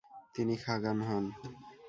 তিনি খাগান হন।